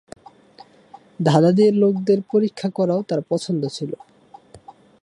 ধাঁধা দিয়ে লোকেদের পরীক্ষা করাও তাঁর পছন্দ ছিল।